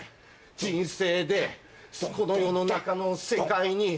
人生でこの世の中の世界に